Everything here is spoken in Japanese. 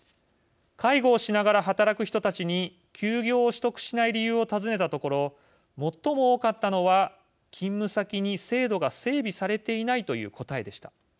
介護をしながら働く人たちに休業を取得しない理由を尋ねたところ最も多かったのは勤務先に制度が整備されていないという答えでした。